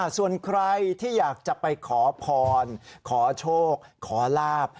ส่วนใครที่อยากจะไปขอพรขอโชคขอลาบ